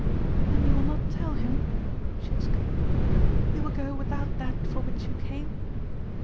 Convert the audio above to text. "Then you will not tell him?" she exclaimed. "You will go without that for which you came?"